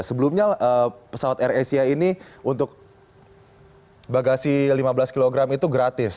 sebelumnya pesawat air asia ini untuk bagasi lima belas kg itu gratis